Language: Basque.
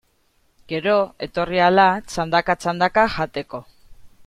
Gero, etorri ahala, txandaka-txandaka jateko.